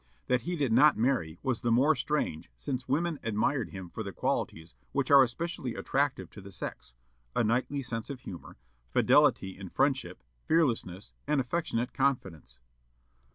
That he did not marry was the more strange since women admired him for the qualities which are especially attractive to the sex; a knightly sense of honor, fidelity in friendship, fearlessness, and affectionate confidence.